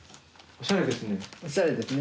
おしゃれですね。